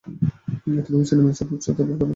এটি ভূপৃষ্ঠে নিম্ন চাপ এবং উচ্চতায় উচ্চ চাপের কারণ।